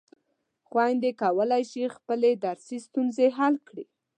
خویندې کولای شي خپلې درسي ستونزې حل کړي.